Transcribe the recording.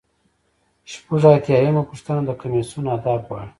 شپږ اتیا یمه پوښتنه د کمیسیون اهداف غواړي.